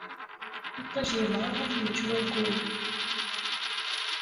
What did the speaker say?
Iṭij yebɣa ad t-yečč wayyur.